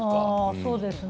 そうですね。